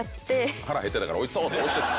腹減ってたから「おいしそう」で押しちゃった。